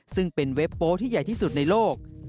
ซึ่งเป็นเว็บโป๊ที่ใหญ่ที่สุดในโลก